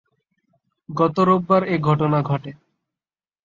গত রোববার এ ঘটনা ঘটে।